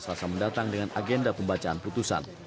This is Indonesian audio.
selasa mendatang dengan agenda pembacaan putusan